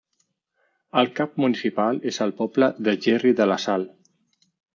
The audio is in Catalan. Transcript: El cap municipal és el poble de Gerri de la Sal.